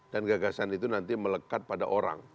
dan gagasan itu nanti melekat pada orang